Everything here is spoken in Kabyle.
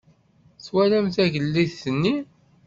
Twalam tagellidt-nni?